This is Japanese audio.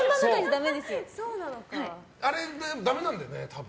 あれ、ダメなんだよね、多分。